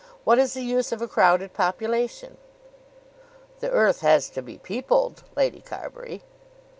What is the use of a crowded population?" "The earth has to be peopled, Lady Carbury."